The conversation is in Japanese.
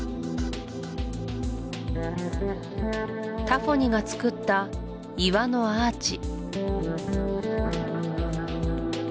タフォニがつくった岩のアーチ